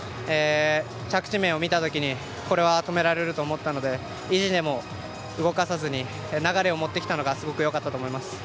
着地面を見た時にこれは止められると思ったので意地でも動かさずに流れを持ってきたのがすごく良かったと思います。